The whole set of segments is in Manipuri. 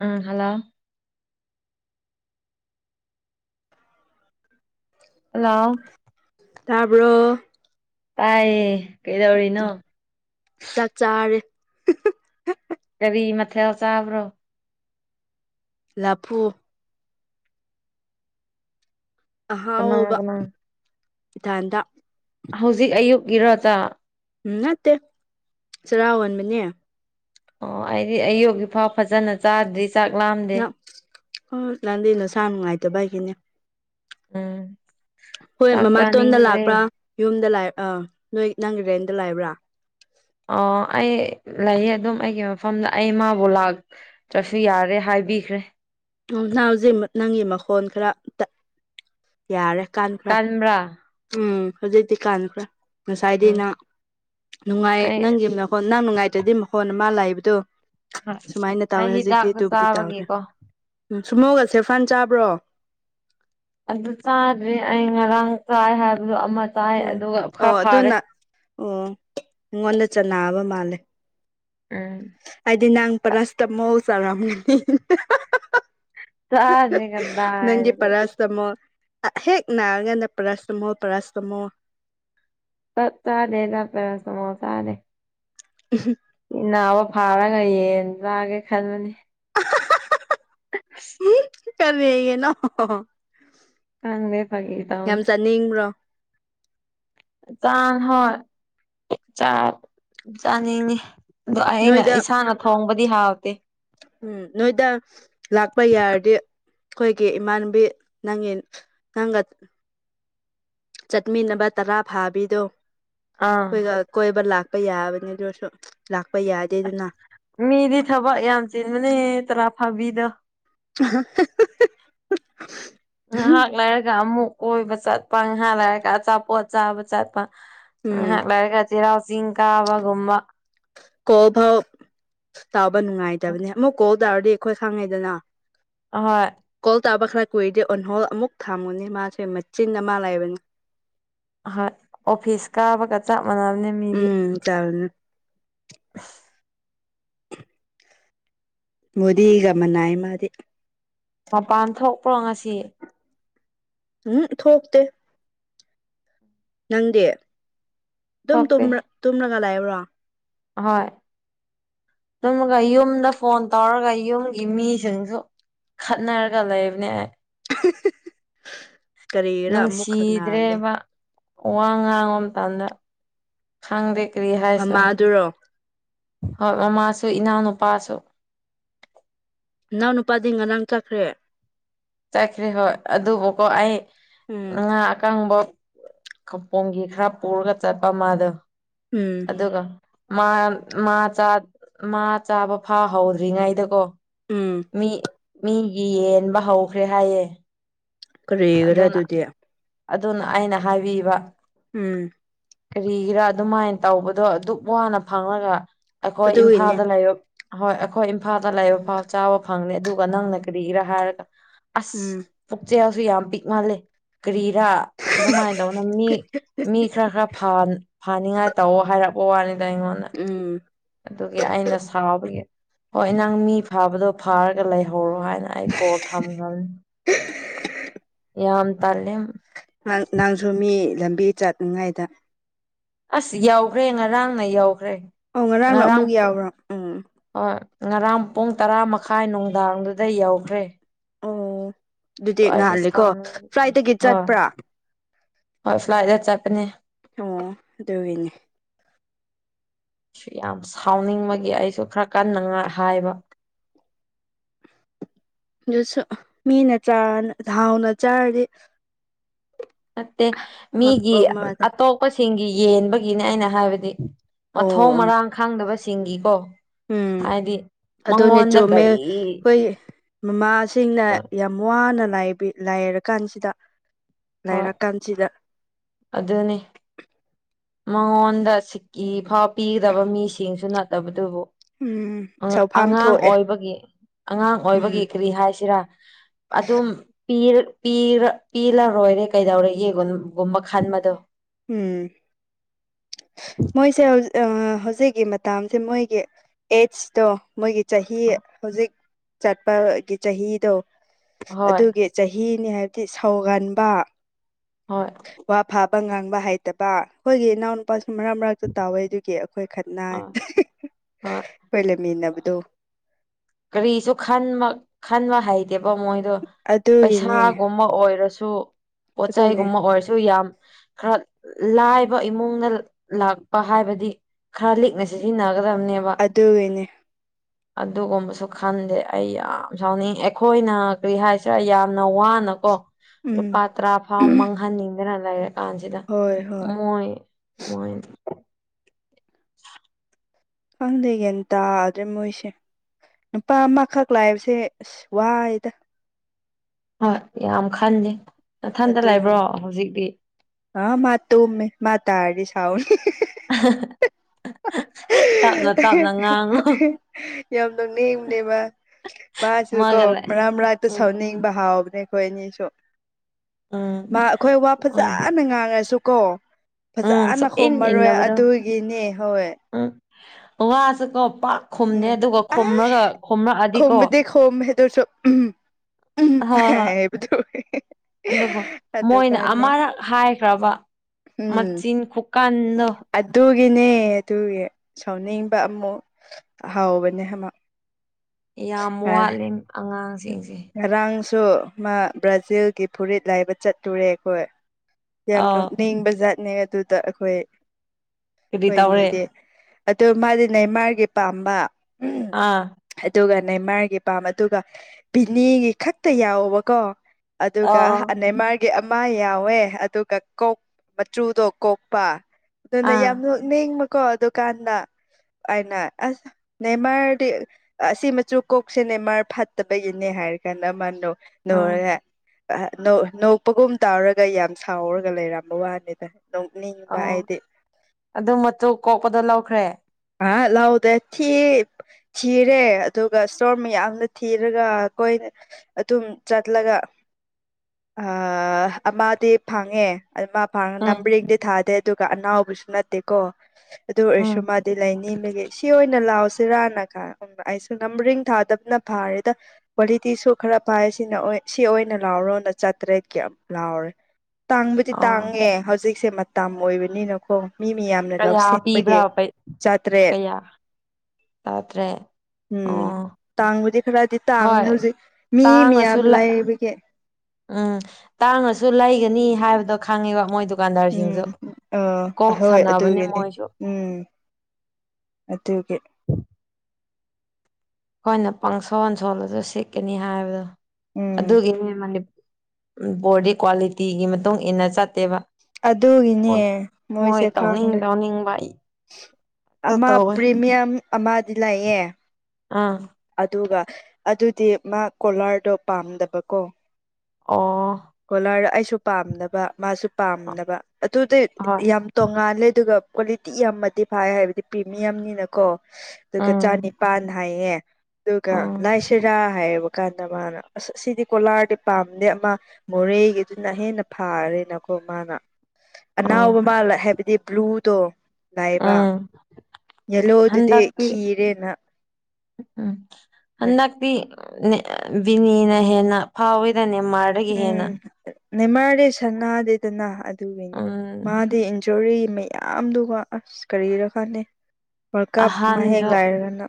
ꯎꯝ ꯍꯜꯂꯣ ꯍꯜꯂꯣ ꯇꯥꯕ꯭ꯔꯣ ꯇꯥꯏꯌꯦ ꯀꯩꯗꯧꯔꯤꯅꯣ ꯆꯥꯛ ꯆꯥꯔꯦ ꯀꯔꯤ ꯃꯊꯦꯜ ꯆꯥꯕ꯭ꯔꯣ ꯂꯐꯨ ꯀꯅꯥ ꯑꯍꯥꯎꯕ ꯀꯅꯥ ꯏꯊꯥꯟꯗ ꯍꯧꯖꯤꯛ ꯑꯌꯨꯛꯀꯤꯔꯥ ꯆꯥꯛ ꯎꯝ ꯅꯠꯇꯦ ꯆꯔꯥ ꯋꯥꯟꯕꯅꯦ ꯑꯣ ꯑꯩꯗꯤ ꯑꯌꯨꯛꯀꯤꯐꯥꯎ ꯐꯖꯅ ꯆꯥꯗ꯭ꯔꯤ ꯆꯥꯛ ꯂꯥꯝꯗꯦ ꯍꯣꯏ ꯅꯪꯗꯤ ꯅꯁꯥ ꯅꯨꯡꯉꯥꯏꯇꯕꯒꯤꯅꯦ ꯎꯝ ꯍꯣꯏ ꯆꯥꯛ ꯃꯃꯥꯇꯣꯟꯗ ꯆꯥꯅꯤꯡꯗ꯭ꯔꯦ ꯂꯥꯛꯄ꯭ꯔꯥ ꯌꯨꯝꯗ ꯂꯥ ꯑꯥ ꯅꯣꯏ ꯅꯪꯒꯤ ꯔꯦꯟꯗ ꯂꯥꯛꯏꯕ꯭ꯔꯥ ꯑꯣ ꯑꯩ ꯂꯩꯌꯦ ꯑꯗꯨꯝ ꯑꯩꯒꯤ ꯃꯐꯝꯗ ꯑꯩ ꯃꯥꯕꯨ ꯂꯥꯛ ꯇ꯭ꯔꯁꯨ ꯌꯥꯔꯦ ꯍꯥꯏꯕꯤꯈ꯭ꯔꯦ ꯎꯝ ꯅꯪ ꯍꯧꯖꯤꯛ ꯅꯪꯒꯤ ꯃꯈꯣꯟ ꯈꯔ ꯇꯠ ꯌꯥꯔꯦ ꯀꯥꯟꯈ꯭ꯔꯦ ꯇꯟꯕ꯭ꯔꯥ ꯎꯝ ꯍꯧꯖꯤꯛꯇꯤ ꯀꯥꯟꯅꯈ꯭ꯔꯦ ꯉꯁꯥꯏꯗꯤ ꯎꯝ ꯅꯪ ꯅꯨꯡꯉꯥꯏ ꯑꯩ ꯅꯪꯒꯤ ꯐꯣꯟ ꯅꯪ ꯅꯨꯡꯉꯥꯏꯇ꯭ꯔꯗꯤ ꯐꯣꯟ ꯑꯃ ꯂꯩꯕꯗꯨ ꯁꯨꯃꯥꯏꯅ ꯑꯩ ꯇꯩꯋꯦ ꯍꯧꯖꯤꯛꯇꯤ ꯍꯤꯗꯥꯛꯇꯣ ꯑꯗꯨꯕꯨꯗꯤ ꯇꯧꯗ꯭ꯔꯦ ꯆꯥꯕꯒꯤꯀꯣ ꯎꯝ ꯁꯨꯝꯃꯣꯒ ꯁꯦꯐꯥꯟ ꯆꯥꯕ꯭ꯔꯣ ꯑꯗꯨ ꯆꯥꯗ꯭ꯔꯤ ꯑꯩ ꯉꯔꯥꯡ ꯆꯥꯏ ꯍꯥꯏꯕꯗꯣ ꯑꯃ ꯆꯥꯏ ꯎꯝ ꯑꯗꯨꯒ ꯑꯣ ꯈꯔ ꯐꯥꯔꯦ ꯑꯗꯨꯅ ꯑꯣ ꯅꯉꯣꯟꯗ ꯆꯅꯥꯕ ꯃꯥꯜꯂꯦ ꯎꯝ ꯑꯩꯗꯤ ꯅꯪ ꯄꯔꯥꯁꯤꯇꯃꯣꯜ ꯆꯔꯝꯒꯅꯤꯅ [unintelligible] ꯆꯥꯗꯦ ꯀꯗꯥꯏꯗꯒꯤ ꯁꯤꯇꯃꯣꯜ ꯍꯦꯛ ꯅꯥꯔꯒꯅ ꯄꯦꯔꯁꯤꯇꯃꯣꯜ ꯄꯦꯔꯁꯤꯇꯃꯣꯜ ꯆꯥꯛ ꯆꯥꯗꯦꯗ ꯄꯦꯔꯥꯁꯤꯇꯥꯃꯣꯟ ꯆꯥꯗꯦ [unintelligible] ꯅꯥꯕ ꯐꯥꯔꯒ ꯌꯦꯟ ꯆꯥꯒꯦ ꯈꯟꯕꯅꯤ [unintelligible] ꯀꯔꯤ ꯌꯦꯟꯅꯣ ꯈꯪꯗꯦ ꯐꯥꯒꯤ ꯌꯥꯝ ꯇꯧꯕꯅꯤ ꯆꯥꯅꯤꯡꯕ꯭ꯔꯣ ꯆꯥꯟ ꯍꯣꯏ ꯆꯥꯛ ꯆꯥ ꯆꯥꯅꯤꯡꯉꯤ ꯑꯗꯣ ꯑꯩꯅ ꯅꯣꯏꯗ ꯏꯁꯥꯅ ꯊꯣꯡꯕꯗꯤ ꯍꯥꯎꯇꯦ ꯎꯝ ꯅꯣꯏꯗ ꯂꯥꯛꯄ ꯌꯥꯔꯗꯤ ꯑꯩꯈꯣꯏꯒꯤ ꯏꯃꯥꯟꯅꯕꯤ ꯅꯪꯒꯤ ꯅꯪꯒ ꯆꯠꯃꯤꯟꯅꯕ ꯇꯔꯥ ꯐꯥꯕꯤꯗꯣ ꯑꯥ ꯑꯩꯈꯣꯏꯒ ꯀꯣꯏꯕ ꯂꯥꯛꯄ ꯌꯥꯕꯅꯤ ꯑꯗꯨꯁꯨ ꯂꯥꯛꯄ ꯌꯥꯗꯦꯗꯅ ꯃꯤꯗꯤ ꯊꯕꯛ ꯌꯥꯝ ꯆꯤꯟꯕꯅꯦ ꯇꯔꯥ ꯐꯥꯕꯤꯗꯣ [unintelligible] ꯉꯥꯏꯍꯥꯛ ꯂꯩꯔꯒ ꯑꯃꯨꯛ ꯀꯣꯏꯕ ꯆꯠꯄ ꯉꯥꯏꯍꯥꯛ ꯂꯩꯔꯒ ꯑꯆꯥꯄꯣꯠ ꯆꯥꯕ ꯆꯠꯄ ꯎꯝ ꯉꯍꯥꯛ ꯂꯧꯔꯒ ꯆꯦꯔꯥꯎ ꯆꯤꯡ ꯀꯥꯕꯒꯨꯝꯕ ꯀꯣꯜ ꯐꯥꯎ ꯇꯥꯕ ꯅꯨꯡꯉꯥꯏꯇꯕꯅꯦ ꯑꯃꯨꯛ ꯀꯣꯜ ꯇꯥꯔꯗꯤ ꯑꯩꯈꯣꯏ ꯈꯥꯡꯉꯦꯗꯅ ꯑꯍꯣꯏ ꯀꯣꯜ ꯇꯥꯕ ꯈꯔ ꯀꯨꯏꯔꯗꯦꯤ ꯑꯣꯟꯍꯣꯜ ꯑꯃꯨꯛ ꯊꯝꯃꯨꯅꯤ ꯃꯥꯁꯦ ꯃꯆꯤꯟ ꯑꯃ ꯂꯩꯕꯅꯤ ꯍꯣꯏ ꯑꯣꯐꯤꯁ ꯀꯥꯕꯒ ꯆꯞ ꯃꯥꯟꯅꯕꯅꯤ ꯎꯝ ꯇꯧꯕꯅꯤ [unintelligible] ꯃꯣꯗꯤꯒ ꯃꯅꯩ ꯃꯥꯗꯤ ꯃꯄꯥꯟ ꯊꯣꯛꯄ꯭ꯔꯣ ꯉꯁꯤ ꯎꯝ ꯍꯝꯊꯣꯛꯇꯦ ꯅꯪꯗꯤ ꯑꯗꯨꯝ ꯇꯨꯝ ꯊꯣꯛꯇꯦ ꯇꯨꯝꯔꯒ ꯂꯩꯕ꯭ꯔꯣ ꯍꯣꯏ ꯇꯨꯝꯃꯒ ꯌꯨꯝꯗ ꯐꯣꯟ ꯇꯧꯔꯒ ꯌꯨꯝꯒꯤ ꯃꯤꯖꯤꯡꯁꯨ ꯈꯠꯅꯔꯒ ꯂꯩꯕꯅꯦ ꯑꯩ꯫ ꯀꯔꯤꯒꯤꯔ ꯑꯃꯨꯛ ꯈꯪꯅꯒꯦ ꯅꯨꯡꯁꯤꯗ꯭ꯔꯦꯕ꯫ ꯋꯥ ꯉꯥꯡꯕ ꯃꯇꯝꯗ ꯈꯪꯗꯦ ꯀꯔꯤ ꯍꯥꯏꯁꯤꯔ꯫ ꯃꯃꯥꯗꯨꯔꯣ ꯍꯣꯏ ꯃꯃꯥꯁꯨ ꯏꯅꯥꯎꯅꯨꯄꯥꯁꯨ꯫ ꯏꯅꯥꯎ ꯅꯨꯄꯥꯗꯤ ꯉꯔꯥꯡ ꯆꯠꯈ꯭ꯔꯦ꯫ ꯆꯠꯈ꯭ꯔꯦ ꯍꯣꯏ ꯑꯗꯨꯕꯨꯀꯣ ꯑꯩ ꯎꯝ ꯉꯥ ꯑꯀꯪꯕ ꯈꯧꯄꯨꯝꯒꯤ ꯈꯔ ꯄꯨꯔꯒ ꯆꯠꯄ ꯃꯥꯗꯣ ꯎꯝ꯫ ꯑꯗꯨꯒ ꯃꯥ ꯃꯥ ꯆꯥ ꯃꯥ ꯆꯥꯕꯐꯥꯎ ꯍꯧꯗ꯭ꯔꯤꯉꯩꯗꯀꯣ ꯎꯝ꯫ ꯃꯤ ꯃꯤꯒꯤ ꯌꯦꯟꯕ ꯍꯧꯈ꯭ꯔꯦ ꯍꯥꯏꯌꯦ꯫ ꯀꯔꯤꯒꯤꯔ ꯑꯗꯨꯅ ꯑꯗꯨꯗꯤ꯫ ꯑꯗꯨꯅ ꯑꯩꯅ ꯍꯥꯏꯕꯤꯕ꯫ ꯎꯝ꯫ ꯀꯔꯤꯒꯤꯔꯥ ꯑꯗꯨꯃꯥꯏꯅ ꯇꯧꯕꯗꯣ ꯑꯗꯨꯛ ꯋꯥꯅ ꯐꯪꯉꯒ ꯑꯩꯈꯣꯏ ꯑꯗꯨꯒꯤꯅꯦ ꯏꯝꯐꯥꯜꯗ ꯂꯩꯔ ꯍꯣꯏ ꯑꯩꯈꯣꯏ ꯏꯝꯐꯥꯜꯗ ꯂꯩꯕ ꯐꯥꯎ ꯆꯥꯕ ꯐꯪꯗꯦ ꯑꯗꯨꯒ ꯅꯪꯅ ꯀꯔꯤꯒꯤꯔꯥ ꯍꯥꯏꯔꯒ ꯎꯝ ꯑꯁ ꯄꯨꯛꯆꯦꯜꯁꯨ ꯌꯥꯝ ꯄꯤꯛ ꯃꯥꯜꯂꯦ ꯀꯔꯤꯔꯥ ꯑꯗꯨꯃꯥꯏꯅ ꯇꯧ ꯃꯤ ꯃꯤ ꯈꯔ ꯈꯔ ꯐꯥ ꯐꯥꯅꯤꯡꯉꯥꯏ ꯇꯧꯑꯣ ꯍꯥꯏꯔꯛꯄ ꯋꯥꯅꯤꯗ ꯑꯩꯉꯣꯟꯗ꯫ ꯎꯝ꯫ ꯑꯗꯨꯒꯤ ꯑꯩꯅ ꯁꯥꯎꯕꯒꯤ ꯍꯣꯏ ꯅꯪ ꯃꯤ ꯐꯥꯕꯗꯣ ꯐꯥꯔꯒ ꯂꯩꯍꯧꯔꯣ ꯍꯥꯏꯅ ꯑꯩ ꯀꯣꯜ ꯊꯝꯈ꯭ꯔꯃꯅꯤ꯫ ꯌꯥꯝ ꯇꯜꯂꯦꯝ ꯅꯪ ꯅꯪꯁꯨꯨ ꯃꯤ ꯂꯝꯕꯤ ꯆꯠꯅꯤꯉꯩꯗ ꯑꯁ ꯌꯥꯎꯈ꯭ꯔꯦ ꯉꯔꯥꯡꯅ ꯌꯎꯈ꯭ꯔꯦ ꯑꯧ ꯉꯔꯥꯡꯅ ꯉꯔꯥꯡ ꯑꯃꯨꯛ ꯌꯥꯎꯕ꯭ꯔꯣ ꯎꯝ ꯍꯣꯏ ꯉꯔꯥꯡ ꯄꯨꯡ ꯇꯔꯥ ꯃꯈꯥꯏ ꯅꯨꯡꯗꯥꯡꯗꯨꯗ ꯌꯧꯈ꯭ꯔꯦ꯫ ꯎꯝ ꯑꯗꯨꯗꯤ ꯑꯗꯣ ꯑꯩꯁꯨ ꯉꯥꯜꯂꯤꯀꯣ ꯁꯥꯎꯅꯤꯡ ꯐ꯭ꯂꯥꯏꯠꯇꯒꯤ ꯍꯣꯏ ꯆꯠꯄ꯭ꯔꯥ꯫ ꯍꯣꯏ ꯐ꯭ꯂꯥꯏꯇ ꯆꯠꯄꯅꯦ꯫ ꯑꯣ ꯑꯗꯨꯒꯤꯅꯦ꯫ ꯌꯥꯝ ꯁꯥꯎꯅꯤꯡꯕꯒꯤ ꯑꯩꯖꯨ ꯈꯔ ꯀꯟꯅꯉꯥꯏ ꯍꯥꯏꯕ꯫ ꯑꯗꯨꯁꯨ ꯃꯤꯅ ꯆꯥ ꯊꯥꯎꯅ ꯆꯥꯔꯗꯤ ꯅꯠꯇꯦ ꯃꯤꯒꯤ ꯃꯥꯗ ꯑꯇꯣꯞꯄꯁꯤꯡꯒꯤ ꯌꯦꯟꯕꯒꯤꯅꯦ ꯑꯩꯅ ꯍꯥꯏꯕꯗꯤ꯫ ꯑꯣ ꯃꯊꯣꯡ ꯑꯣ ꯃꯔꯥꯡ ꯈꯪꯗꯕꯁꯤꯡꯒꯤꯀꯣ꯫ ꯎꯝ ꯍꯥꯏꯗꯤ ꯑꯗꯨ ꯃꯉꯣꯟꯗ ꯆꯨꯝꯃꯦ ꯀꯔꯤ ꯑꯩꯈꯣꯏ ꯃꯃꯥꯁꯤꯡꯅ ꯍꯣꯏ ꯌꯥꯝ ꯋꯥꯅ ꯂꯥꯏꯕꯤ ꯂꯥꯏꯔ ꯀꯥꯟꯁꯤꯗ ꯍꯣꯏ ꯂꯥꯏꯔ ꯀꯥꯟꯁꯤꯗ ꯑꯗꯨꯅꯤ꯫ ꯃꯉꯣꯟꯗ ꯁꯤꯀꯤ ꯐꯥꯎ ꯄꯤꯒꯗꯕ ꯃꯤꯁꯤꯡꯁꯨ ꯅꯠꯇꯕꯗꯨꯕꯨ꯫ ꯎꯝ ꯁꯧꯐꯥꯝ ꯑꯉꯥꯡ ꯊꯣꯛꯑꯦ ꯑꯣꯏꯕꯒꯤ ꯑꯉꯥꯡ ꯑꯣꯏꯕꯒꯤ ꯎꯝ ꯀꯔꯤ ꯍꯥꯏꯁꯤꯔꯥ ꯑꯗꯨꯝ ꯄꯤꯔꯥ ꯄꯤꯔꯥ ꯄꯤꯔꯥ ꯂꯣꯏꯔꯦ ꯀꯩꯗꯧꯔꯒꯦ ꯑꯗꯨꯒꯨꯝꯕ ꯈꯟꯕꯗꯣ꯫ ꯎꯝ ꯃꯣꯏꯁꯦ ꯍꯧꯖꯤ ꯑ ꯍꯧꯖꯤꯛꯀꯤ ꯃꯇꯁꯦ ꯃꯣꯏꯒꯤ ꯑꯦꯖꯇꯣ ꯃꯣꯏꯒꯤ ꯆꯍꯤ ꯍꯧꯖꯤꯛ ꯆꯠꯄꯒꯤ ꯆꯍꯤꯗꯣ ꯍꯣꯏ ꯑꯗꯨꯒꯤ ꯆꯍꯤꯅꯤ ꯍꯥꯏꯕꯗꯤ ꯁꯥꯎꯒꯟꯕ ꯍꯣꯏ꯫ ꯋꯥ ꯐꯥꯕ ꯉꯥꯡꯕ ꯍꯥꯏꯇꯕ ꯑꯩꯈꯣꯏꯒꯤ ꯏꯅꯥꯎꯅꯨꯄꯥꯁꯨ ꯃꯔꯛ ꯃꯔꯛꯇ ꯇꯥꯎꯋꯦ ꯑꯗꯨꯒꯤ ꯑꯩꯈꯣꯏ ꯈꯠꯅꯩ ꯍꯣꯏ ꯍꯣꯏ ꯑꯩꯈꯣꯏ ꯂꯩꯃꯤꯟꯅꯕꯗꯣ꯫ ꯀꯔꯤꯁꯨ ꯈꯟꯕ ꯈꯟꯕ ꯍꯩꯇꯦꯕ ꯃꯣꯏ ꯗꯨ ꯑꯗꯨꯒꯤꯅꯦ ꯄꯩꯁꯥꯒꯨꯝꯕ ꯑꯣꯏꯔꯁꯨ ꯑꯗꯨꯅꯦ ꯄꯣꯠꯆꯩꯒꯨꯝꯕ ꯑꯣꯏꯔꯁꯨ ꯌꯥꯝ ꯈꯔ ꯂꯥꯏꯕ ꯏꯃꯨꯡꯅ ꯂꯥꯛꯄ ꯍꯥꯏꯕꯗꯤ ꯈꯔ ꯂꯤꯛꯅ ꯁꯤꯖꯤꯟꯅꯒꯗꯕꯅꯦ ꯑꯗꯨꯒꯤꯅꯦ ꯫ ꯑꯗꯨꯒꯨꯝꯕꯁꯨ ꯁꯨ ꯈꯟꯗꯦ ꯑꯩ ꯌꯥꯝ ꯁꯥꯎꯅꯤꯡꯉ‌ꯦ ꯑꯩꯈꯣꯏꯅ ꯀꯔꯤ ꯍꯥꯏꯁꯤꯔꯥ ꯌꯥꯝꯅ ꯋꯥꯅꯀꯣ ꯂꯨꯄꯥ ꯎꯝ ꯇꯔꯥ ꯐꯥꯎ ꯃꯥꯡꯍꯟꯅꯤꯡꯗꯅ ꯂꯩꯔꯀꯥꯟꯁꯤꯗ ꯍꯣꯏ ꯍꯣꯏ ꯃꯣꯏ ꯃ‌ꯣꯏ ꯈꯪꯗꯦ ꯒ꯭ꯌꯥꯟ ꯇꯥꯗ꯭ꯔꯦ ꯃꯣꯏꯁꯦ ꯫ ꯅꯨꯄꯥ ꯑꯃꯈꯛ ꯂꯩꯕꯁꯦ ꯑꯁ ꯋꯥꯏꯗ ꯫ ꯍꯣꯏ ꯌꯥꯝ ꯈꯟꯗ‌ꯦ ꯏꯊꯟꯇ ꯂꯩꯕ꯭ꯔꯣ ꯑꯗꯨꯒꯅꯦ ꯍꯧꯖꯤꯛꯇꯤ? ꯑꯥ ꯃꯥ ꯇꯨꯝꯃ‌ꯦ ꯃꯥ ꯇꯔꯗꯤ ꯁꯥꯎꯅꯤ ꯫ [unintelligible] ꯇꯞꯅ ꯇꯞꯅ ꯉꯥꯡꯉꯣ ꯌꯥꯝ ꯅ‌ꯣꯛꯅꯤꯡꯕꯅꯦꯕ ꯫ ꯃꯥꯁꯨ ꯀꯣ ꯃꯥꯒ ꯂꯩ ꯃꯔꯛ ꯃꯔꯠꯇ ꯎꯝ ꯁꯥꯎꯅꯤ ꯕ ꯍꯧꯕꯅꯦ ꯑꯩꯈꯣꯏ ꯑꯅꯤꯁꯨ ꯎꯝ ꯃꯥ ꯑꯩꯈꯣꯏ ꯋꯥ ꯍꯣꯏ ꯐꯖꯅ ꯉꯥꯡꯉꯁꯨ ꯀꯣ ꯎꯝ ꯐꯖꯅ ꯈꯣ ꯁꯨꯛꯏꯟ ꯃꯔꯣꯏ ꯏꯟꯅꯕꯗꯣ ꯑꯗꯨꯒꯤꯅꯦ ꯍꯣꯏ ꯎꯝ ꯋꯥꯁꯨꯀꯣ ꯄꯥꯛ ꯈꯨꯝꯗ‌ꯦ ꯎꯝ ꯑꯗꯨꯒ ꯈꯣꯝꯔꯒ ꯈꯣꯝꯔꯛꯑꯗꯤꯀꯣ ꯍꯣꯃ‌ꯦ ꯑꯗꯨꯁꯨ ꯎꯝ ꯎꯝ ꯍꯣꯏ ꯍꯥꯏ ꯍꯣꯏ ꯍꯥꯏꯕꯗꯨ ꯫ ꯑꯗꯨꯒ ꯃꯣꯏꯅ ꯑꯃꯔꯛ ꯍꯥꯏꯈ꯭ꯔꯕ ꯎꯝ ꯃꯆꯤꯟ ꯈꯨ ꯀꯟꯗ‌ꯣ ꯑꯗꯨꯒꯤꯅꯦ ꯑꯗꯨꯒꯤ ꯁꯥꯎꯅꯤꯡꯕ ꯑꯃꯨꯛ ꯫ ꯍꯥꯎꯕꯅꯦ ꯍꯃꯥ ꯌꯥꯝ ꯋꯥꯠꯂꯦ ꯑꯉꯥꯡꯁꯤꯡꯁꯦ ꯫ ꯉꯔꯥꯡꯁꯨ ꯃꯥ ꯕ꯭ꯔꯥꯖꯤꯜꯒꯤ ꯐꯨꯔꯤꯠ ꯂꯩꯕ ꯆꯠꯂꯨꯔꯦ ꯈꯣꯏ ꯫ ꯌꯥꯝ ꯑꯥ ꯅꯣꯛꯅꯤꯡꯕ ꯖꯥꯠꯅꯦ ꯑꯗꯨꯗ ꯑꯩꯈꯣꯏ ꯀꯔꯤ ꯇꯧꯔꯦ ꯑꯩꯈꯣꯏꯅꯤꯗꯦ ꯑꯗꯨ ꯃꯥꯗꯤ ꯅꯦꯃꯥꯔꯒꯤ ꯄꯥꯝꯕ ꯑꯥ ꯑꯗꯨꯒ ꯅꯦꯃꯥꯔꯒꯤ ꯄꯥꯝ ꯑꯗꯨꯒ ꯚꯤꯅꯤꯒꯤ ꯈꯛꯇ ꯌꯥꯎꯕꯀꯣ ꯫ ꯑꯗꯨꯒ ꯑꯥ ꯑ ꯅꯦꯃꯥꯔ ꯒꯤ ꯑꯃ ꯌꯥꯎꯋꯦ ꯑꯗꯨꯒ ꯀꯣꯛ ꯃꯆꯨꯗꯣ ꯀꯣꯛꯄ ꯑꯗꯨꯅ ꯑꯥ ꯌꯥꯝ ꯅ‌ꯣꯛ ꯅꯤꯡꯕꯀꯣ ꯑꯗꯨꯀꯥꯟꯗ ꯑꯩꯅ ꯑꯁ ꯅꯦꯃꯥꯔꯗꯤ ꯑꯁꯤ ꯃꯆꯨ ꯀꯣꯛꯁꯦ ꯅꯦꯃꯥꯔ ꯐꯠꯇ ꯕꯒꯤꯅꯦ ꯍꯥꯏꯔ ꯀꯥꯟꯗ ꯃꯥꯅ ꯑꯥ ꯅꯣꯛꯔꯒ ꯅ‌ꯣꯛ ꯅꯣꯛꯄꯒꯨꯝ ꯇꯧꯔꯒ ꯌꯥꯝ ꯁꯥꯎꯔꯒ ꯂꯩꯔꯝꯕ ꯋꯥꯅꯤꯗ ꯫ ꯅꯣꯛꯅꯤꯡꯕ ꯑꯣ ꯑꯩꯗꯤ ꯫ ꯑꯗꯨ ꯃꯆꯨ ꯀꯣꯛꯄꯗꯣ ꯂꯧꯈ꯭ꯔꯦ ꯫ ꯑꯥ ꯂꯧꯗꯦ ꯊꯤ ꯊꯤꯔꯦ ꯑꯗꯨꯒ ꯏꯁꯇꯣꯔ ꯃꯌꯥꯝꯗ ꯊꯤꯔꯒ ꯑꯩꯈꯣꯏ ꯑꯗꯨꯝ ꯆꯠꯂꯒ ꯑꯥ ꯑꯃꯗꯤ ꯐꯪꯉꯦ ꯫ ꯑꯗꯨ ꯃꯥ ꯐꯪꯉ ꯎꯝ ꯅꯝꯕ꯭ꯔꯤꯡꯗꯤ ꯊꯥꯗꯦ ꯑꯗꯨꯒ ꯑꯅꯥꯎꯕꯁꯨ ꯅꯠꯇꯦꯀꯣ ꯑꯗꯨ ꯎꯝ ꯑꯣꯏꯔꯁꯨ ꯃꯥ ꯗꯤ ꯂꯩꯅꯤꯡꯕꯒꯤ ꯁꯤ ꯑꯣꯏꯅ ꯂꯥꯎꯁꯤꯔꯥꯅ ꯀꯥ ꯍꯪꯕ ꯑꯩꯁꯨ ꯅꯝꯕ꯭ꯔꯤꯡ ꯊꯥꯗꯕꯅ ꯐꯥꯔꯦꯗ ꯫ ꯀ꯭ꯋꯥꯂꯤꯇꯤꯁꯨ ꯈꯔ ꯐꯥꯏ ꯁꯤꯅ ꯑ‌ꯣꯏ ꯁꯤ ꯑꯣꯏꯅ ꯂꯥꯎꯔꯣꯅ ꯆꯥꯇ꯭ꯔꯦꯠꯀꯤ ꯂꯧꯔꯦ ꯫ ꯇꯥꯡꯕꯗꯤ ꯇꯥꯡꯉꯦ ꯍꯧꯖꯤꯛꯁꯦ ꯃꯇꯝ ꯑꯣꯏꯕꯅꯤꯅꯀꯣ ꯃꯤ ꯃꯤꯌꯥꯝꯅ ꯂꯧꯁꯤꯟꯕꯒꯤ ꯫ ꯆꯥꯇ꯭ꯔꯦꯠ ꯌꯥ ꯇꯥꯗꯔꯦ ꯎꯝ ꯇꯥꯡꯕꯗꯤ ꯈꯔꯗꯤ ꯍꯣꯏ ꯇꯥꯡꯉꯅꯤ ꯍꯧꯖꯤꯛ ꯃꯤ ꯇꯥꯡꯉꯁꯨ ꯃꯌꯥꯝ ꯂꯩꯕꯒꯤ ꯎꯝ ꯇꯥꯡꯉꯁꯨ ꯂꯩꯒꯅꯤ ꯍꯥꯏꯕꯗꯣ ꯈꯪꯉꯦꯕ ꯃꯣꯏꯗꯣ ꯎꯝ ꯑ ꯑꯍꯣꯏ ꯁꯥꯟꯅꯕꯅꯦ ꯑꯗꯨꯒꯤꯅꯤ ꯃꯣꯏꯁꯨ ꯎꯝ ꯑꯗꯨꯒꯤ ꯃꯣꯏꯅ ꯄꯪꯁꯣꯟ ꯁꯣꯜꯂꯁꯨ ꯁꯤꯠꯀꯅꯤ ꯍꯥꯏꯕꯗꯣ ꯎꯝ ꯑꯗꯨꯒꯤꯅꯤ ꯕꯣꯔꯗꯤ ꯀ꯭ꯋꯥꯂꯤꯇꯤꯒꯤ ꯃꯇꯨꯡ ꯏꯟꯅ ꯆꯠꯇꯦꯕ ꯑꯗꯨꯒꯤꯅꯦ ꯃꯣꯏ ꯃꯣꯏ ꯃꯣꯏꯁꯦ ꯇꯧꯅꯤꯡ ꯈꯪꯗꯦ ꯇꯧꯅꯤꯡꯕ ꯑꯩꯗꯣ ꯑꯃ ꯇꯧꯋꯦ ꯄ꯭ꯔꯤꯃꯤꯌꯝ ꯑꯃꯗꯤ ꯂꯩꯌꯦ ꯑꯥ ꯑꯗꯨꯒ ꯑꯗꯨꯗꯤ ꯃꯥ ꯀꯣꯂꯥꯔꯗꯣ ꯄꯥꯝꯗꯕꯀꯣ ꯑꯣ ꯀꯣꯂꯥꯔ ꯑꯩꯁꯨ ꯄꯥꯝꯗꯕ ꯃꯥꯁꯨ ꯄꯥꯝꯗꯕ ꯑꯗꯨꯗꯤ ꯍꯣꯏ ꯌꯥꯝ ꯇꯣꯉꯥꯜꯂꯦ ꯑꯗꯨꯒ ꯀ꯭ꯋꯥꯂꯤꯇꯤ ꯌꯥꯝꯃꯗꯤ ꯐꯩ ꯍꯥꯏꯕꯗꯤ ꯄ꯭ꯔꯤꯃꯤꯌꯝꯅꯤꯅꯀꯣ ꯑꯗꯨꯒ ꯎꯝ ꯆꯅꯤꯄꯥꯟ ꯍꯥꯏꯌꯦ ꯑꯗꯨꯒ ꯎꯝ ꯂꯩꯁꯤꯔꯥ ꯍꯥꯏꯌꯦꯕ ꯀꯥꯟꯅꯕꯅ ꯑꯁ ꯁꯤꯗꯤ ꯀꯣꯂꯥꯔꯗꯤ ꯄꯥꯝꯗꯦ ꯑꯃ ꯃꯣꯔꯦꯒꯤꯗꯨꯅ ꯍꯦꯟꯅ ꯐꯥꯔꯦꯅꯀꯣ ꯃꯥꯅ ꯎꯝ ꯑꯅꯥꯎꯕ ꯃꯥꯜꯂꯦ ꯍꯥꯏꯕꯗꯤ ꯕ꯭ꯂꯨ ꯗꯣ ꯂꯩꯕ ꯎꯝ ꯌꯦꯂꯣꯗꯨꯗꯤ ꯍꯟꯗꯛꯇꯤ ꯈꯤꯔꯦꯅ ꯎꯝ ꯍꯟꯗꯛꯗꯤ ꯕꯤꯅꯤꯅ ꯍꯦꯟꯅ ꯐꯥꯎꯋꯦꯗ ꯅꯦꯃꯥꯔꯗꯒꯤ ꯍꯦꯟꯅ ꯎꯝ ꯅꯦꯃꯥꯔꯗꯤ ꯁꯟꯅꯥꯗꯦꯗꯅ ꯑꯗꯨꯒꯤꯅꯤ ꯎꯝ ꯃꯥꯗꯤ ꯖꯣꯔꯤ ꯃꯌꯥꯝꯗꯨꯒ ꯑꯁ ꯀꯔꯤꯔ ꯈꯟꯗꯦ ꯋꯥꯔꯜ ꯀꯞ ꯑꯃ ꯍꯦꯛ ꯑꯍꯟꯁꯨ ꯂꯥꯏꯔꯒꯅ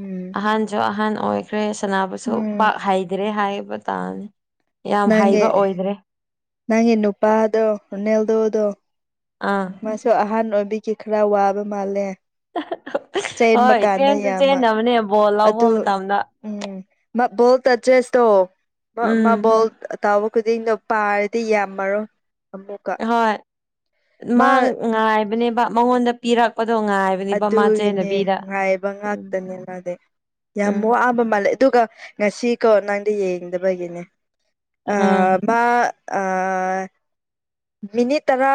ꯎꯝ ꯑꯍꯟꯁꯨ ꯑꯍꯟ ꯑꯣꯏꯈ꯭ꯔꯦ ꯁꯅꯥꯕꯨꯁꯨ ꯎꯝ ꯄꯥꯛ ꯍꯩꯗ꯭ꯔꯦ ꯍꯥꯏꯕ ꯇꯥꯕꯅꯤ ꯌꯥꯝ ꯅꯪꯒꯤ ꯍꯩꯕ ꯑꯣꯏꯗ꯭ꯔꯦ ꯅꯪꯒꯤ ꯅꯨꯄꯥꯗꯣ ꯔꯣꯅꯦꯜꯗꯣꯗꯣ ꯑꯥ ꯃꯥꯁꯨ ꯑꯍꯟ ꯑꯣꯏꯕꯤꯒꯤ ꯈꯔ ꯋꯥꯕ ꯃꯥꯜꯂꯦ ꯆꯦꯟꯕ ꯀꯥꯟꯗ ꯌꯥꯝꯃ ꯃꯅꯦ ꯕꯣꯜ ꯂꯧꯕ ꯑꯗꯨ ꯃꯇꯝꯗ [unintelligible] ꯎꯝ ꯇꯥꯎꯕ ꯈꯨꯗꯤꯡꯗꯣ ꯄꯥꯔꯗꯤ ꯌꯥꯝꯃꯔꯣ ꯍꯣꯏ ꯃꯥ ꯉꯥꯏꯕꯅꯦꯕ ꯃꯉꯣꯟꯗ ꯄꯤꯔꯛꯄꯗꯣ ꯉꯥꯏꯕ ꯑꯗꯨꯒꯤꯅꯦ ꯉꯥꯏꯕ ꯎꯝ ꯉꯥꯛꯇꯅꯦ ꯃꯥꯗꯤ ꯌꯥꯝ ꯎꯝ ꯋꯥꯕ ꯃꯥꯜꯂꯦ ꯑꯗꯨꯒ ꯉꯁꯤꯀꯣ ꯅꯪꯗꯤ ꯌꯦꯡꯗꯕꯒꯤꯅꯦ ꯑ ꯎꯝ ꯃꯥ ꯑ ꯃꯤꯅꯤꯠ ꯇꯔꯥ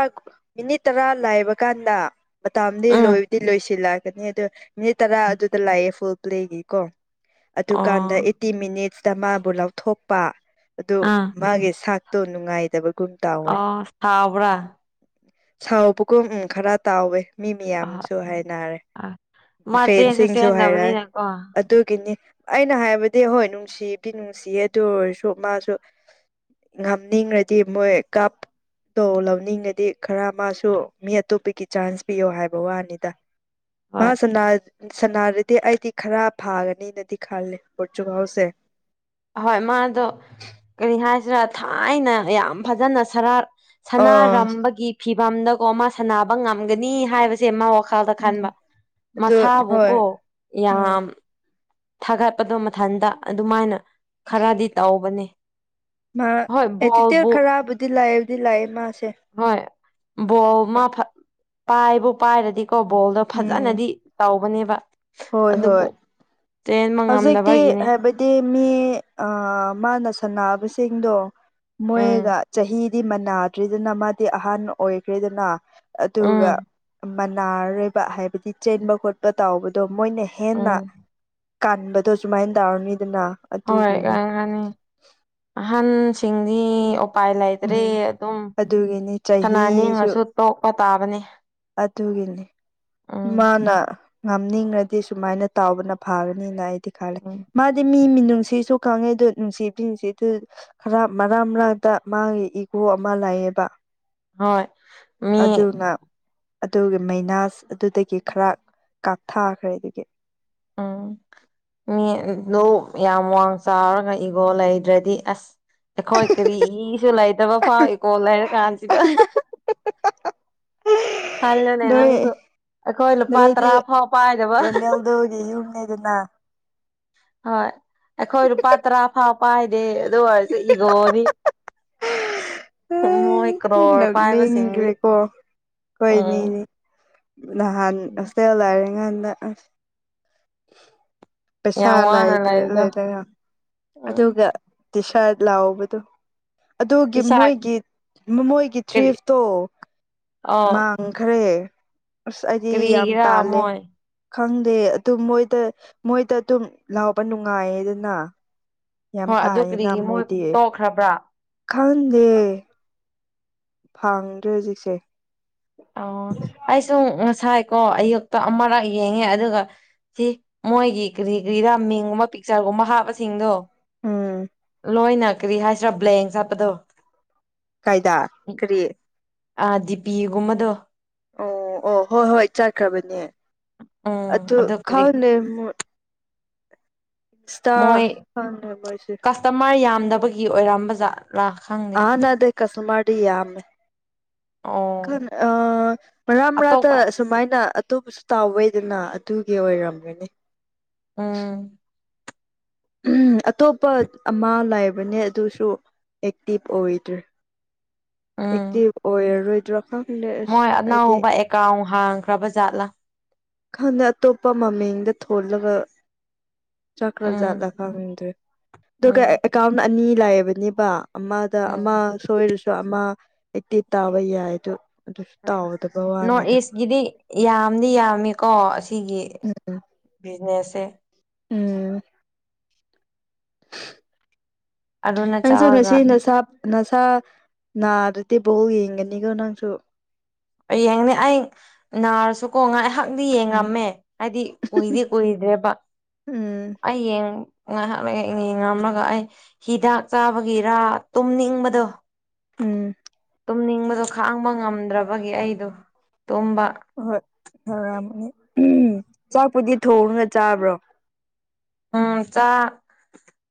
ꯃꯤꯅꯤꯠ ꯇꯔꯥ ꯂꯥꯏꯕ ꯀꯥꯟꯗ ꯃꯇꯝꯗꯤ ꯎꯝ ꯂꯣꯏꯕꯗꯤ ꯂꯣꯏꯁꯤꯜꯂ ꯑꯗꯨ ꯃꯤꯅꯤꯠ ꯇꯔꯥ ꯑꯗꯨꯗ ꯂꯩꯑꯦ ꯐꯨꯜ ꯄ꯭ꯂꯦꯒꯤ ꯀꯣ ꯑꯗꯨꯀꯥꯟꯗ ꯑꯣ ꯐꯩꯇꯤ ꯃꯤꯅꯤꯠꯁꯇ ꯃꯥꯕꯨ ꯂꯧꯊꯣꯛꯄ ꯑꯗꯨ ꯑꯥ ꯃꯥꯒꯤ ꯁꯛꯇꯨ ꯅꯨꯡꯉꯥꯏꯗꯕ ꯑ ꯁꯥꯎꯕ꯭ꯔꯥ ꯁꯥꯎꯕꯒꯨꯝ ꯎꯝ ꯈꯔ ꯇꯧꯋꯦ ꯃꯤ ꯑ ꯃꯌꯥꯝꯁꯨ ꯍꯥꯏꯅꯔꯦ ꯑ ꯃꯥ ꯆꯦꯟꯁꯨ ꯐꯦꯟꯁꯤꯡꯁꯨ ꯍꯥꯏꯔꯦ ꯆꯦꯟꯗꯕꯅꯤꯅꯀꯣ ꯑꯗꯨꯒꯤꯅꯤ ꯑꯩꯅ ꯍꯥꯏꯕꯗꯤ ꯍꯣꯏ ꯅꯨꯡꯁꯤꯕꯗꯤ ꯅꯨꯡꯁꯤꯌꯦ ꯑꯗꯨ ꯑꯣꯏꯔꯁꯨ ꯃꯥꯁꯨ ꯉꯝꯅꯤꯡꯉꯗꯤ ꯃꯣꯏ ꯀꯞ ꯇꯣ ꯂꯧꯅꯤꯡꯉꯗꯤ ꯈꯔ ꯃꯥꯁꯨ ꯃꯤ ꯑꯇꯣꯞꯄꯒꯤ ꯆꯥꯟꯁ ꯄꯤꯌꯣ ꯍꯥꯏꯕ ꯋꯥꯅꯤꯗ ꯃꯥ ꯍꯣꯏ ꯁꯅꯥ ꯁꯅꯥꯔꯗꯤ ꯑꯩꯗꯤ ꯈꯔ ꯐꯥꯒꯅꯤꯅꯗꯤ ꯈꯜꯂꯦ ꯍꯣꯔꯇꯨꯒꯜꯁꯦ ꯍꯣꯏ ꯃꯥꯗꯣ ꯀꯔꯤ ꯍꯥꯏꯁꯤꯔꯥ ꯊꯥꯏꯅ ꯌꯥꯝ ꯐꯖꯅ ꯁꯔꯥꯛ ꯑ ꯁꯥꯟꯅꯔꯝꯕꯒꯤ ꯐꯤꯚꯝꯗꯀꯣ ꯃꯥ ꯁꯥꯟꯅꯕ ꯉꯝꯒꯅꯤ ꯍꯥꯏꯕ [unintelligible] ꯃꯥ ꯋꯥꯈꯜꯗ ꯈꯟꯕ ꯎꯝ ꯑꯗꯨ ꯍꯣꯏ ꯃꯁꯥꯕꯨꯀꯣ ꯎꯝ ꯌꯥꯝ ꯊꯥꯒꯠꯄꯗꯣ ꯃꯊꯟꯇ ꯑꯗꯨꯃꯥꯏꯅ ꯈꯔꯗꯤ ꯇꯧꯕꯅꯦ ꯃꯥ ꯍꯣꯏ ꯕꯣꯜꯕꯨ ꯑꯦꯇꯤꯇ꯭ꯌꯨꯠ ꯈꯔꯕꯨꯗꯤ ꯂꯩꯕꯨꯗꯤ ꯂꯩ ꯃꯥꯁꯦ ꯍꯣꯏ ꯕꯣꯜ ꯃꯥ [unintelligible] ꯄꯥꯏꯕꯨ ꯄꯥꯏꯔꯗꯤꯀꯣ ꯕꯣꯜꯗꯣ ꯎꯝ ꯐꯖꯅꯗꯤ ꯇꯧꯕꯅꯤꯕ ꯍꯣꯏ ꯍꯣꯏ ꯍꯧꯖꯤꯛꯇꯤ ꯉꯝꯗꯕꯒꯤꯅꯦ ꯍꯦꯕꯤꯠ ꯇꯤ ꯃꯤ ꯑꯥ ꯃꯥꯅ ꯁꯥꯟꯕꯁꯤꯡꯗꯣ ꯎꯝ ꯃꯣꯏꯒ ꯆꯍꯤ ꯗꯤ ꯃꯟꯅꯥꯗ꯭ꯔꯦꯗꯅ ꯃꯥꯗꯤ ꯑꯍꯟ ꯑꯣꯏꯈ꯭ꯔꯦꯗꯅ ꯎꯝ ꯑꯗꯨꯒ ꯃꯅꯥꯔꯣꯏꯕ ꯍꯥꯏꯕꯗꯤ ꯆꯦꯟꯕ ꯈꯣꯠꯄ ꯇꯧꯕꯗꯣ ꯃꯣꯏꯅ ꯍꯦꯟꯅ ꯎꯝ ꯀꯟꯕꯗꯣ ꯁꯨꯃꯥꯏꯟ ꯇꯧꯔꯅꯤꯗꯅ ꯍꯣꯏ ꯑꯗꯨꯒꯤꯅꯤ [unintelligible] ꯑꯍꯟꯁꯤꯡꯗꯤ ꯎꯄꯥꯏ ꯂꯩꯇ꯭ꯔꯦ ꯎꯝ ꯑꯗꯨꯝ ꯑꯗꯨꯒꯤꯅꯤ ꯁꯥꯟꯅ ꯆꯍꯤꯁꯨ ꯅꯤꯡꯉꯁꯨ ꯇꯣꯛꯄ ꯇꯥꯕꯅꯤ ꯑꯗꯨꯒꯤꯅꯤ ꯎꯝ ꯃꯥꯅ ꯉꯝꯅꯤꯡꯔꯗꯤ ꯁꯨꯃꯥꯏꯅ ꯇꯧꯕꯅ ꯐꯥꯒꯅꯤꯅ ꯑꯩ ꯎꯝ [unintelligible] ꯃꯥꯗꯤ ꯃꯤ ꯃꯤꯅꯨꯡꯁꯤꯁꯨ ꯈꯪꯉꯦ ꯗꯨ ꯅꯨꯡꯁꯤ [unintelligible] ꯈꯔ ꯃꯔꯛ ꯃꯔꯛꯇ ꯃꯥꯒꯤ ꯏꯒꯣ ꯑꯃ ꯂꯩꯕ ꯍꯣꯏ ꯃꯤ ꯑꯗꯨꯅ ꯑꯗꯨꯒꯤ ꯃꯩꯅꯥꯁ ꯑꯗꯨꯗꯒꯤ ꯈꯔ ꯀꯥꯞꯊꯥꯈ꯭ꯔꯦ ꯑꯗꯨꯒꯤ ꯎꯝ ꯃꯤ [unintelligible] ꯌꯥꯝ ꯋꯥꯡ ꯆꯥꯎꯔꯒ ꯏꯒꯣ ꯂꯩꯇ꯭ꯔꯗꯤ ꯑꯁ ꯑꯩꯈꯣꯏ ꯀꯔꯤꯁꯨ ꯂꯩꯇꯕ ꯐꯥꯎ ꯏꯀꯣ ꯂꯩꯔ ꯀꯥꯟꯁꯤꯗ ꯈꯜꯂꯨꯅꯦ ꯅꯣꯏ ꯅꯪꯁꯨ ꯑꯩꯈꯣꯏ ꯂꯨꯄꯥ ꯅꯣꯏꯗꯤ ꯇꯔꯥ ꯐꯥꯎ ꯄꯥꯏꯗꯕ ꯔꯣꯅꯦꯜꯗꯣꯒꯤ [unintelligible] ꯍꯣꯏ ꯑꯩꯈꯣꯏ ꯂꯨꯄꯥ ꯇꯔꯥ ꯐꯥꯎ ꯄꯥꯏꯗꯦ ꯑꯗꯨ ꯑꯣꯏꯔꯁꯨ ꯏꯒꯣꯗꯤ ꯃꯣꯏ ꯀ꯭ꯔꯣꯔ ꯄꯥꯏꯕ ꯁꯤꯡꯗꯤ ꯅꯣꯛꯅꯤꯡꯈ꯭ꯔꯦꯀꯣ ꯎꯝ ꯑꯩꯈꯣꯏꯅꯤꯅꯤ ꯅꯍꯥꯟ ꯍꯣꯁꯇꯦꯜ ꯂꯩꯔꯤꯉꯥꯟꯗ ꯄꯩꯁꯥ ꯌꯥꯝ ꯋꯥꯅ ꯂꯩꯇ꯭ꯔꯦ ꯂꯩꯕꯗꯣ ꯂꯩꯇ꯭ꯔꯦꯅ ꯎꯝ ꯑꯗꯨꯒ ꯇꯤ ꯁ꯭ꯔꯠ ꯂꯧꯕꯗꯨ ꯑꯗꯨꯒꯤ ꯏꯁꯥ ꯃꯣꯏꯒꯤ ꯃꯣꯏꯒꯤ ꯀꯔꯤ ꯇꯔꯤꯐꯇꯣ ꯃꯥ ꯑꯣ [unintelligible] ꯈ꯭ꯔꯦ ꯑꯁ ꯑꯩꯗꯤ ꯌꯥꯝ ꯀꯔꯤꯒꯤꯔꯥ ꯇꯥꯜꯂꯦ ꯃꯣꯏ ꯈꯪꯗꯦ ꯑꯗꯨ ꯃꯣꯏꯗ ꯃꯣꯏꯗ ꯑꯗꯨꯝ ꯂꯧꯕ ꯅꯨꯡꯉꯥꯏꯌꯦꯗꯅ ꯌꯥꯝ ꯍꯣꯏ ꯑꯗꯨ ꯐꯥꯏꯌꯦꯅ ꯀꯔꯤꯒꯤ ꯃꯣꯏ ꯃꯣꯏꯗꯤ ꯇꯣꯛꯈ꯭ꯔꯕ꯭ꯔꯥ ꯈꯪꯗꯦ ꯐꯪꯗ꯭ꯔꯦ ꯍꯧꯖꯤꯛꯁꯦ ꯑꯣ ꯑꯩꯁꯨ ꯉꯁꯥꯏꯀꯣ ꯑꯌꯨꯛꯇ ꯑꯃꯔꯛ ꯌꯦꯡꯉꯦ ꯑꯗꯨꯒ ꯁꯤ ꯃꯣꯏꯒꯤ ꯀꯔꯤ ꯀꯔꯤꯔꯥ ꯃꯤꯡꯒꯨꯝꯕ ꯄꯤꯛꯆꯔꯒꯨꯝꯕ ꯍꯥꯞꯄꯁꯤꯡꯗꯣ ꯎꯝ ꯂꯣꯏꯅ ꯀꯔꯤ ꯍꯥꯏꯁꯤꯔꯥ ꯕ꯭ꯂꯦꯡ ꯆꯠꯄꯗꯣ ꯀꯥꯏꯗ ꯀꯔꯤ ꯑꯥ ꯗꯤꯄꯤꯒꯨꯝꯕꯗꯣ ꯑꯣ ꯑꯣ ꯍꯣꯏ ꯍꯣꯏ ꯆꯠꯈ꯭ꯔꯕꯅꯦ ꯎꯝ ꯑꯗꯨ ꯀꯔꯤ ꯈꯪꯗꯦ ꯃꫭꯏ [unintelligible] ꯍꯥꯞꯅꯕꯩꯁꯤ ꯇꯃꯔ ꯌꯥꯝꯗꯕꯒꯤ ꯑꯣꯏꯔꯝꯕꯖꯥꯠ ꯂꯥꯈꯪ ꯑꯥ ꯅꯠꯗꯦ ꯀꯁꯇꯃꯔꯗꯤ ꯌꯥꯝꯃꯦ ꯑꯣ ꯈꯟ ꯑꯥ ꯃꯔꯛ ꯃꯔꯛꯇ ꯑꯇꯣꯞꯄ ꯑꯗꯨꯃꯥꯏꯅ ꯑꯇꯣꯞꯄꯁꯨ ꯇꯧꯋꯦꯗꯅ ꯑꯗꯨꯒꯤ ꯑꯣꯏꯔꯝꯒꯅꯤ ꯎꯡ ꯎꯝ ꯑꯇꯣꯞꯄ ꯑꯃ ꯂꯩꯕꯅꯦ ꯑꯗꯨꯁꯨ ꯑꯦꯛꯇꯤꯚ ꯑꯣꯏꯗ꯭ꯔꯦ ꯎꯝ ꯑꯦꯛꯇꯤꯕ ꯑꯣꯔꯔꫭꯏꯗ꯭ꯔꯣ ꯃꯣꯏ ꯑꯅꯧꯕ ꯑꯦꯀꯥꯎꯟ ꯍꯥꯡꯈ꯭ꯔꯕ ꯖꯥꯠꯂꯥ ꯈꯪꯗꯦ ꯑꯇꯣꯞꯄ ꯃꯃꯤꯡꯗ ꯊꯣꯜꯂꯒ ꯆꯠꯈ꯭ꯔ ꯎꯝ ꯖꯥꯠꯂꯥ ꯈꯪꯗ꯭ꯔꯦ ꯑꯗꯨꯒ ꯎꯝ ꯑꯦꯀꯥꯎꯟ ꯑꯅꯤ ꯂꯩꯕꯅꯤꯕ ꯑꯃꯗ ꯎꯝ ꯑꯃ ꯁꯣꯏꯔꯁꯨ ꯑꯃ ꯑꯦꯛꯇꯤꯕ ꯇꯧꯕ ꯌꯥꯏ ꯑꯗꯨ ꯑꯗꯨꯁꯨ ꯎꯝ ꯇꯥꯎꯗꯕ ꯅꯣꯔꯠ ꯋꯥꯅꯤꯗ ꯏꯁꯒꯤꯗꯤ ꯌꯥꯝꯗꯤ ꯌꯥꯝꯃꯤꯀꯣ ꯑꯁꯤꯒꯤ ꯎꯝ ꯕꯤꯖꯤꯅꯦꯁꯁꯦ ꯎꯝ ꯑꯗꯨꯅ ꯅꯪꯁꯨ ꯆꯥꯔꯒ ꯉꯁꯤ ꯅꯁꯥ ꯅꯁꯥ ꯅꯥꯗ꯭ꯔꯗꯤ ꯕꫭꯜ ꯌꯦꯡꯒꯅꯤꯀꯣ ꯅꯪꯁꯨ ꯑꯩ ꯌꯦꯡꯅꯦ ꯑꯩ ꯅꯥꯔꯁꯨ ꯀꯣ ꯉꯥꯏꯍꯥꯛꯗꯤ ꯎꯝ ꯌꯦꯡꯉꯝꯃꯦ ꯍꯥꯏꯗꯤ ꯀꯨꯏꯗꯤ ꯀꯨꯏꯗ꯭ꯔꯦꯕ ꯎꯝ ꯑꯩ ꯌꯦꯡ ꯉꯥꯏꯍꯥꯛ ꯂꯩ ꯌꯦꯡꯔꯝꯔꯒ ꯑꯩ ꯍꯤꯗꯥꯛ ꯆꯥꯕꯒꯤꯔꯥ ꯇꯨꯝꯅꯤꯡꯕꯗꯣ ꯎꯝ ꯇꯨꯝꯅꯤꯡꯕꯗꯣ ꯈꯥꯡꯕ ꯉꯝꯗ꯭ꯔꯕꯒꯤ ꯑꯩꯗꯣ ꯇꯨꯝꯕ ꯍꯣꯏ ꯍꯣꯏ ꯍꯥꯔꯝꯃꯅꯤ ꯎꯝ ꯆꯥꯛꯄꯨꯗꯤ ꯊꯣꯡꯉꯒ ꯆꯥꯕ꯭ꯔꯣ ꯎꯝ ꯆꯥꯛ